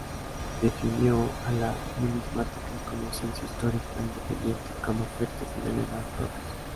Definió a la Numismática como "Ciencia histórica independiente, con objeto y finalidad propias".